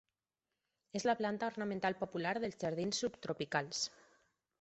És la planta ornamental popular dels jardins subtropicals.